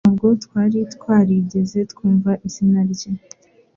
Ntabwo twari twarigeze twumva izina rye